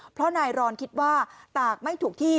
เพราะนายรอนคิดว่าตากไม่ถูกที่